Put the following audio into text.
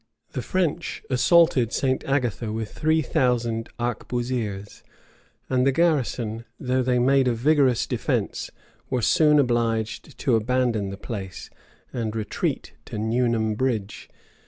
The French assaulted St. Agatha with three thousand arquebusiers; and the garrison, though they made a vigorous defence, were soon obliged to abandon the place, and retreat to Newnam Bridge.